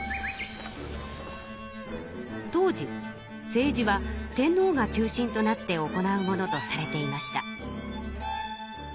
当時政治は天皇が中心となって行うものとされていました。